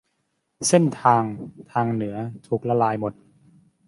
เส้นทางทางเหนือถูกละลายหมด